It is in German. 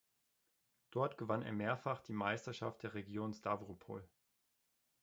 Dort gewann er mehrfach die Meisterschaft der Region Stawropol.